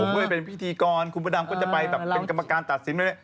ผมเลยเป็นพิธีกรคุณพระดำก็จะไปแบบเป็นกรรมกาลตัดซิ้ม